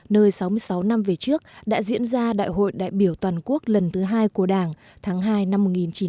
nơi sáu mươi sáu năm về trước đã diễn ra đại hội đại biểu toàn quốc lần thứ hai của đảng tháng hai năm một nghìn chín trăm bảy mươi năm